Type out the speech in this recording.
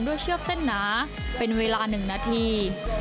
เชือกเส้นหนาเป็นเวลา๑นาที